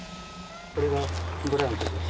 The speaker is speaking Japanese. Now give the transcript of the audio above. これはブランコです。